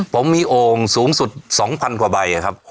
ผมมีโอ่งสูงสุด๒๐๐๐กว่าใบครับ